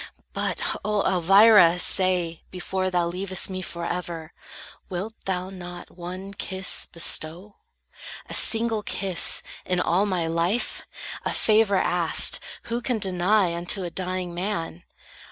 But, O Elvira, say, before Thou leavest me forever, wilt thou not One kiss bestow? A single kiss, in all My life? A favor asked, who can deny Unto a dying man?